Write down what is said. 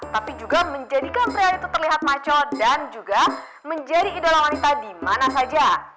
tapi juga menjadikan pria itu terlihat maco dan juga menjadi idol wanita dimana saja